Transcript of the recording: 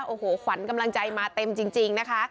โอ้โหขวัญกำลังใจมาเต็มจริงนะคะ